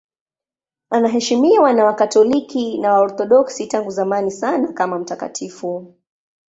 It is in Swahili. Anaheshimiwa na Wakatoliki na Waorthodoksi tangu zamani sana kama mtakatifu.